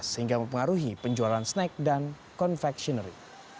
sehingga mempengaruhi penjualan snack dan convectionary